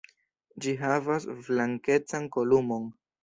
Ĝi havas blankecan kolumon.